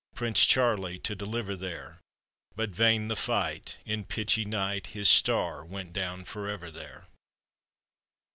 Prince Charlie to deliver there! But vain the fight; in pitchy night His star went down forever there!